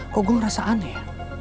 kok gue ngerasa aneh ya